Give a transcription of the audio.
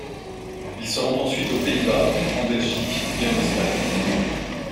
Il se rend ensuite aux Pays-Bas, en Belgique et en Espagne.